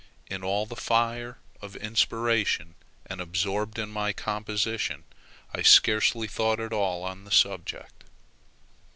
In all the fire of inspiration, and absorbed in my composition, I scarcely thought at all on the subject.